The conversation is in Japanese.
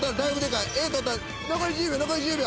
残り１０秒残り１０秒。